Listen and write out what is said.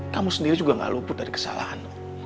kamu sendiri juga gak luput dari kesalahanmu